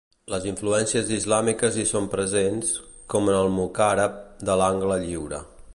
Les influències islàmiques hi són presents, com en el mocàrab de l'angle lliure.